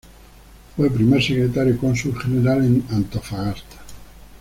Fue Primer Secretario-Cónsul General en Antofagasta.